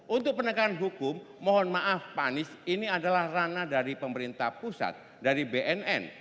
untuk penegakan hukum mohon maaf pak anies ini adalah rana dari pemerintah pusat dari bnn